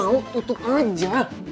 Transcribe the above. ga mau tutup aja